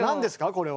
これは。